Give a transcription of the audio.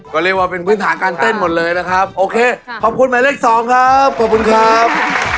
ก็เรียกว่าเป็นพื้นฐานการเต้นหมดเลยนะครับโอเคขอบคุณหมายเลขสองครับขอบคุณครับ